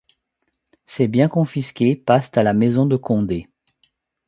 Ses biens confisqués passent à la maison de Condé.